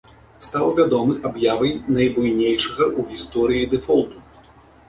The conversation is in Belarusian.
Стаў вядомы аб'явай найбуйнейшага ў гісторыі дэфолту.